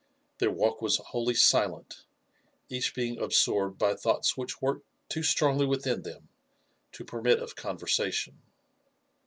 Their walk was wholly silent, each being absorbed by thoughts which worked toe strongly within them to permit of conversation.